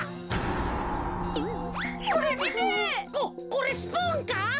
ここれスプーンか？